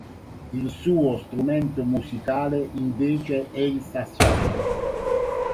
Il suo strumento musicale invece è il sassofono.